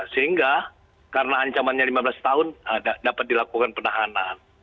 sehingga karena ancamannya lima belas tahun dapat dilakukan penahanan